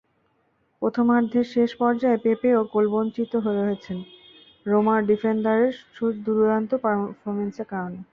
প্রথমার্ধের শেষ পর্যায়ে পেপেও গোলবঞ্চিত হয়েছেন রোমার ডিফেন্ডারদের দুর্দান্ত পারফরম্যান্সের কারণে।